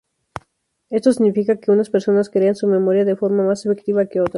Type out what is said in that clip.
Esto significa que unas personas "crean" su memoria de forma más efectiva que otras.